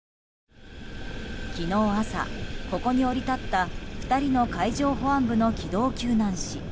昨日朝、ここに降り立った２人の海上保安部の機動救難士。